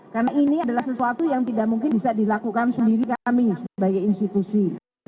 karena ini adalah sesuatu yang tidak mungkin bisa dilakukan sendiri kami sebagai institusi